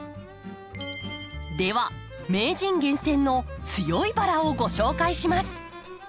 では名人厳選の強いバラをご紹介します。